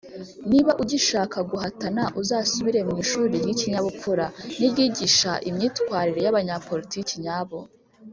Niba ugishaka guhatana, uzasubire mu ishuri ry'ikinyabupfura n'iryigisha imyitwarire y'abanyapolitiki nyabo.